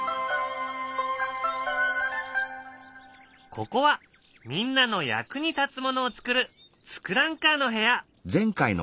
ここはみんなの役に立つものをつくる「ツクランカー」の部屋。